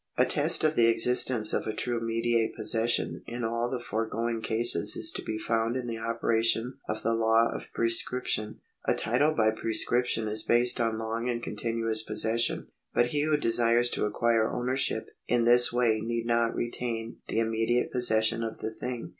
A test of the existence of a true mediate jDossession in all the foregoing cases is to be found in the operation of the law of prescription. A title by prescription is based on long and continuous possession. But he who desires to acquire ownership in this way need not retain the immediale. possession of the thing.